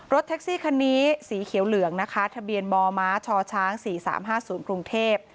แท็กซี่คันนี้สีเขียวเหลืองนะคะทะเบียนมมชช๔๓๕๐กรุงเทพ